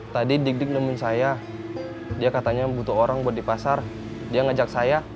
tadi dig dik nemuin saya dia katanya butuh orang buat di pasar dia ngajak saya